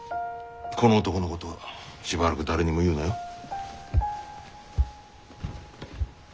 この男のことはしばらく誰にも言うなよ。